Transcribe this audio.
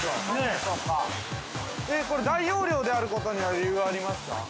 これ、大容量であることには理由がありますか。